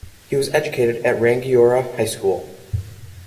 He was educated at Rangiora High School.